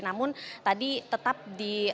namun tadi tetap di